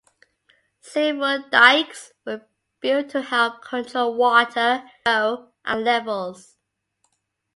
Several dykes were built to help control water flow and levels.